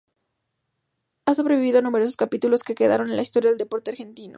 Ha sobrevivido a numerosos capítulos que quedaron en la historia del deporte argentino.